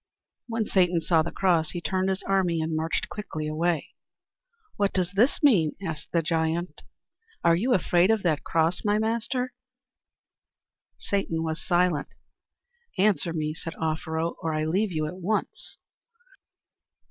When Satan saw the cross, he turned his army and marched quickly away. "What does this mean?" asked the giant. "Are you afraid of that cross, my master?" Satan was silent. "Answer me," said Offero, "or I leave you at once."